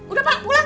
udah pak pulang